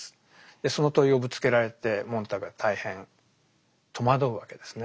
でその問いをぶつけられてモンターグは大変戸惑うわけですね。